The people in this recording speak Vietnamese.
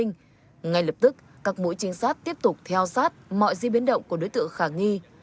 ngay lập tức các mũi trinh sát tiếp tục theo sát mọi di biến động của đối tượng khả nghi